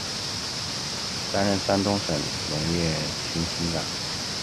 担任山东省农业厅厅长。